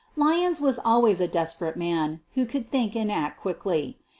Lyons was always a desperate man, who could tkink and act quickly.